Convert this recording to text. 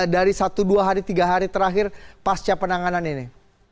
dari satu dua hari tiga hari terakhir pasca penanganan ini